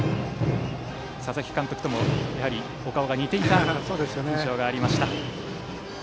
佐々木監督とも、やはりお顔が似ていた印象がありました。